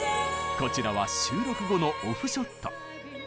こちらは収録後のオフショット。